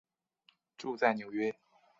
住在纽约。